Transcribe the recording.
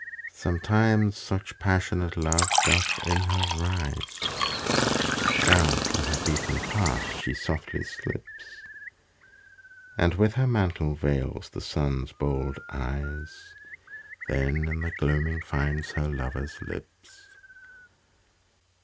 Sometimes such passionate love doth in her rise, Down from her beaten path she softly slips, And with her mantle veils the Sun's bold eyes, Then in the gloaming finds her lover's lips.